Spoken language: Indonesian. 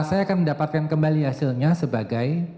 saya akan mendapatkan kembali hasilnya sebagai